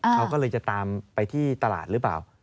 เขาก็เลยจะตามไปที่ตลาดหรือเปล่า